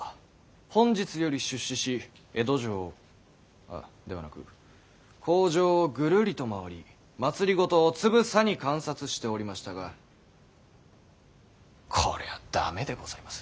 本日より出仕し江戸城ではなく皇城をぐるりと回り政をつぶさに観察しておりましたがこりゃあ駄目でございます。